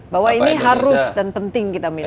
bahwa ini harus dan penting kita miliki